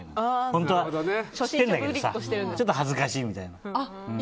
本当は知ってるんだけどちょっと恥ずかしいみたいな。